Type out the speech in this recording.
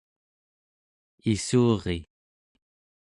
issuri